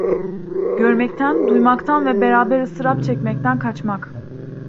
Görmekten, duymaktan ve beraber ıstırap çekmekten kaçmak.